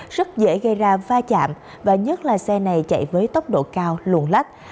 rất dễ gây ra va chạm và nhất là xe này chạy với tốc độ cao luồn lách